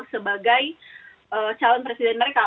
sebagai calon presiden mereka